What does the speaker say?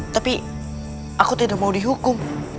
tapi aku tidak mau dihukum